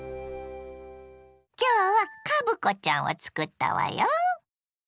今日はカブコちゃんをつくったわよ。